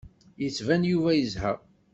Yettban Yuba yezha.